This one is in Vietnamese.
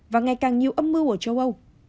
và ngày càng nhiều âm mưu ở châu âu